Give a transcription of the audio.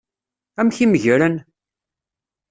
Amek i meggren?